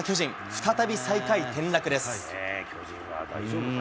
再び最下位転落です。